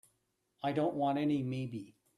I don't want any maybe.